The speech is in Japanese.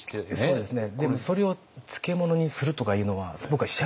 そうですね。